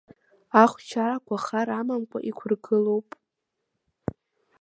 Ахәшьарақәа хар амамкәа иқәыргылоуп…